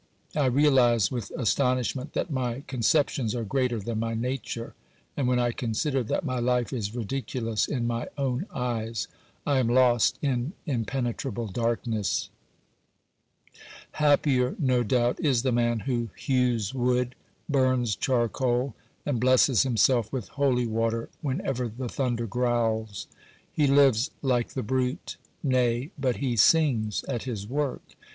I realise with astonishment that my con ceptions are greater than my nature, and when I consider that my life is ridiculous in my own eyes I am lost in im penetrable darkness. Happier, no doubt, is the man who hews wood, burns charcoal, and blesses himself with holy water whenever the thunder growls. He lives like the brute. Nay, but he sings at his work